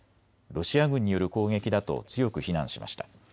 ロシア軍による攻撃だと強く非難しました。